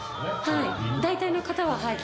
はい。